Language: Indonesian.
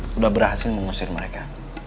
sudah berhasil mengusir mereka